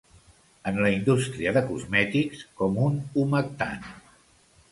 En la indústria de cosmètics com un humectant.